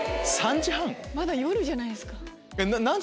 まだ夜じゃないですか。